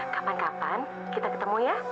kapan kapan kita ketemu ya